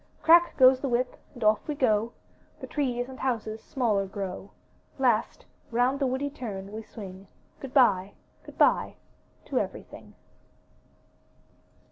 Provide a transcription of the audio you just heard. Crack goes the whip, and off we go; The trees and houses smaller grow; Last, round the woody turn we swing; Good bye, good bye, to everything!